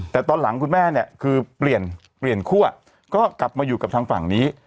แต่ตอนหลังคุณแม่เนี่ยคือเปลี่ยนเปลี่ยนคั่วก็กลับมาอยู่กับทางฝั่งนี้